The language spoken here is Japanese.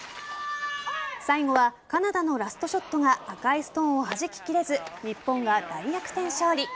最後はカナダのラストショットが赤いストーンをはじき切れず日本が大逆転勝利。